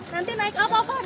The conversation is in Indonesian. nanti naik apa pak